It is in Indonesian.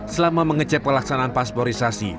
selama mengecek pelaksanaan pasporisasi